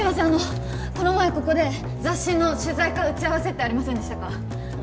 あのこの前ここで雑誌の取材か打ち合わせってありませんでしたか？